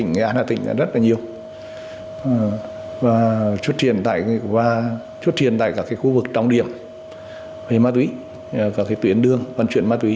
người hà tĩnh là rất nhiều và trút triển tại các khu vực trọng điểm mà có đối tượng vận chuyển ma túy